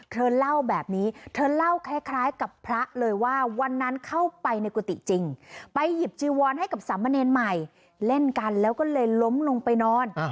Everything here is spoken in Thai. เธอเล่าแบบนี้เธอเล่าคล้ายกับพระเลยว่าวันนั้นเข้าไปในกุฏิจริงไปหยิบจีวอนให้กับสามเณรใหม่เล่นกันแล้วก็เลยล้มลงไปนอน